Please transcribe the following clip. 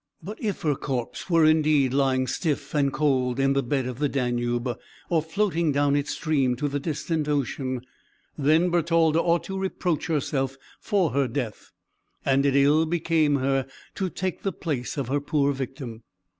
But, if her corpse were indeed lying stiff and cold in the bed of the Danube, or floating down its stream to the distant ocean, then Bertalda ought to reproach herself for her death, and it ill became her to take the place of her poor victim.